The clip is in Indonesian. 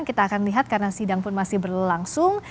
kita akan lihat karena sidang pun masih berlangsung